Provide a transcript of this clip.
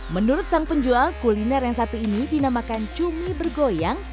menurut sang penjual kuliner yang satu ini dinamakan cumi bergoyang